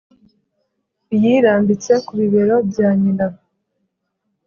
iyirambitse ku bibero bya nyina.